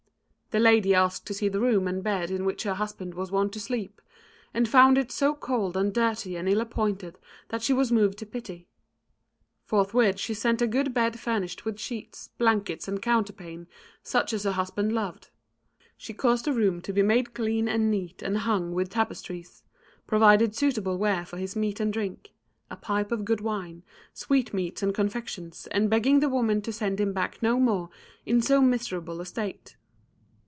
The lady asked to see the room and bed in which her husband was wont to sleep, and found it so cold and dirty and ill appointed that she was moved to pity. Forthwith she sent for a good bed furnished with sheets, blankets and counterpane such as her husband loved; she caused the room to be made clean and neat and hung with tapestries; provided suitable ware for his meat and drink, a pipe of good wine, sweetmeats and confections, and begged the woman to send him back no more in so miserable a state.